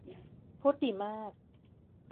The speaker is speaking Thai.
พูดดีมาก